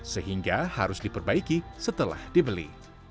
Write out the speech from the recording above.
sehingga harus diperbaiki setelah dibeli